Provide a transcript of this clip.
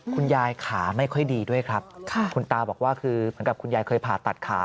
คุณยายขาไม่ค่อยดีด้วยครับคุณตาบอกว่าคือเหมือนกับคุณยายเคยผ่าตัดขา